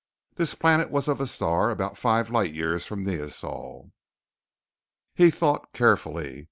This planet was of a star about five light years from Neosol. He thought carefully.